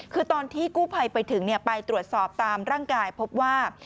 คือตอนที่กู้ภัยไปถึงไปตรวจสอบตามร่างกายพบว่า